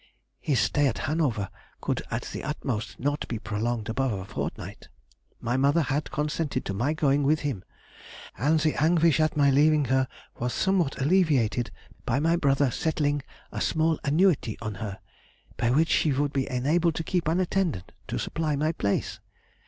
His stay at Hanover could at the utmost not be prolonged above a fortnight.... My mother had consented to my going with him, and the anguish at my leaving her was somewhat alleviated by my brother settling a small annuity on her, by which she would be enabled to keep an attendant to supply my place."